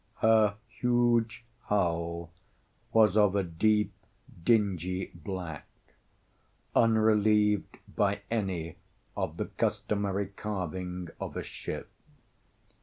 Her huge hull was of a deep dingy black, unrelieved by any of the customary carvings of a ship.